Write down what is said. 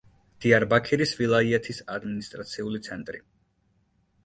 დიარბაქირის ვილაიეთის ადმინისტრაციული ცენტრი.